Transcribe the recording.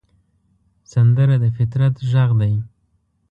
سندره د فطرت غږ دی